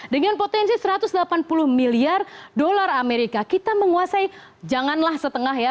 dengan potensi satu ratus delapan puluh miliar dolar amerika kita menguasai janganlah setengah ya